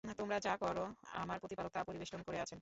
তোমরা যা কর আমার প্রতিপালক তা পরিবেষ্টন করে আছেন।